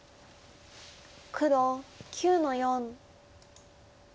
黒９の四。